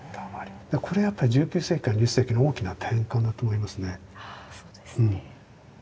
これはやっぱり１９世紀から２０世紀の大きな転換だと思いますね。